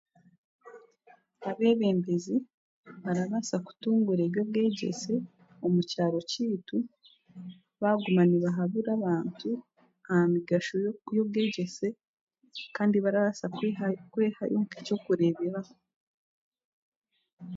Abeebembezi barabaasa kutunguura eby'obwegyese omu kyaro kyaitu baaguma nibahabura abantu aha migasho y'obwegyese kandi barabaasa kwehayo nk'ekyokureeberaho.